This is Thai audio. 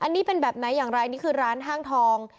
อันนี้เป็นแบบไหนอย่างไรนี่คือร้านห้างทอง